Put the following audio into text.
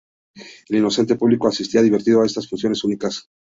El "inocente" público asistía divertido a estas funciones únicas.